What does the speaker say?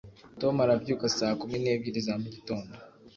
tom arabyuka saa kumi n'ebyiri za mugitondo